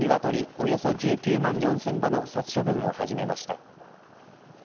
およそ１９万４０００羽の殺処分を始めました。